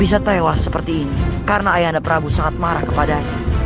bisa tewas seperti ini karena ayah anda prabu sangat marah kepadanya